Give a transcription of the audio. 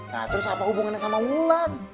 nah terus apa hubungannya sama wulan